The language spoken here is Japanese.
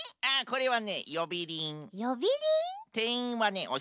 あこれはねよびりん。